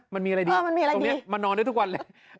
มันมีอะไรดีตรงนี้มานอนได้ทุกวันเลยมันมีอะไรดี